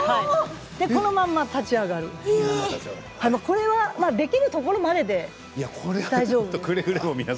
このまま立ち上がるできるところまでで大丈夫です。